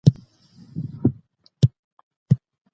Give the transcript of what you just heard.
ټول خلګ په مرګ کي وازمایل سول.